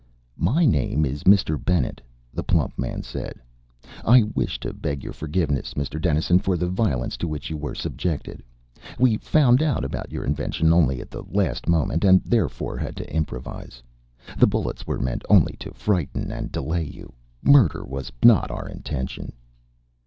"My name is Mr. Bennet," the plump man said. "I wish to beg your forgiveness, Mr. Dennison, for the violence to which you were subjected. We found out about your invention only at the last moment and therefore had to improvise. The bullets were meant only to frighten and delay you. Murder was not our intention."